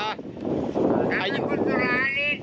นำนักกฎตุราฤทธิ์